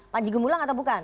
panjigu milang atau bukan